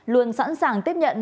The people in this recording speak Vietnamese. luôn sẵn sàng tiếp nhận